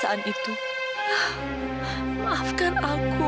iksan tak tahu manfaatku